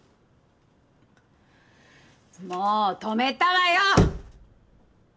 ・もう止めたわよ！